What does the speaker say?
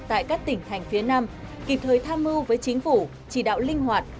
tại các tỉnh thành phía nam kịp thời tham mưu với chính phủ chỉ đạo linh hoạt